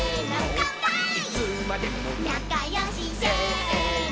「なかよし」「せーの」